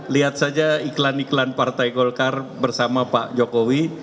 lihat saja iklan iklan partai golkar bersama pak jokowi